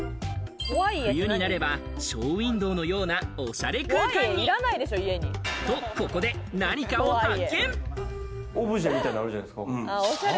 冬になればショーウィンドウのようなおしゃれ空間にと、ここで何オブジェみたいのあるじゃないですか。